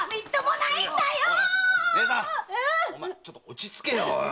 ちょっと落ち着けよ。